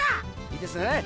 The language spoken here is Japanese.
いいですね？